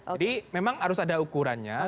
jadi memang harus ada ukurannya